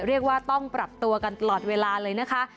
เรียกว่าต้องปรับตัวกันตลอดเวลาเลยนะคะ